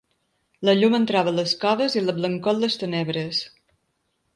La llum entrava a les coves, i la blancor en les tenebres